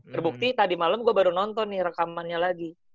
terbukti tadi malam gue baru nonton nih rekamannya lagi